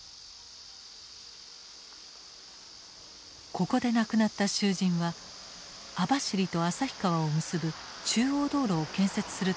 ここで亡くなった囚人は網走と旭川を結ぶ中央道路を建設するために動員された。